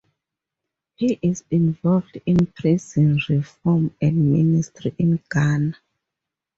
He is involved in prison reform and ministry in Ghana.